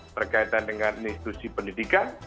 berkaitan dengan institusi pendidikan